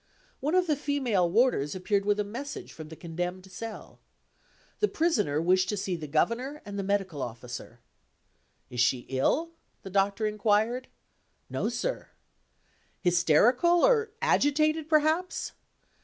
One of the female warders appeared with a message from the condemned cell. The Prisoner wished to see the Governor and the Medical Officer. "Is she ill?" the Doctor inquired. "No, sir." "Hysterical? or agitated, perhaps?"